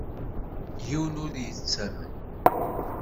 Yiwen ur ɣ-yettamen.